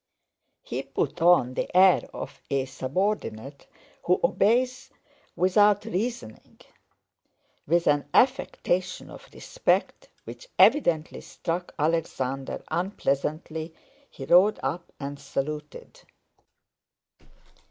He put on the air of a subordinate who obeys without reasoning. With an affectation of respect which evidently struck Alexander unpleasantly, he rode up and saluted.